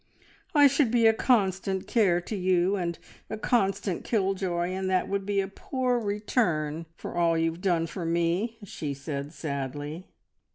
"I should be a constant care to you, and a constant kill joy, and that would be a poor return for all you have done for me," she said sadly.